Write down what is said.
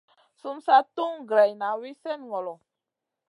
Sum sa tun greyna wi slèh ŋolo.